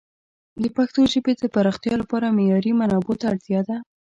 د پښتو ژبې د پراختیا لپاره معیاري منابعو ته اړتیا ده.